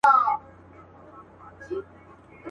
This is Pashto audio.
چا په نيمه شپه كي غوښتله ښكارونه.